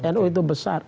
nu itu besar